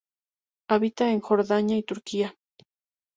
Habita en Jordania y Turquía.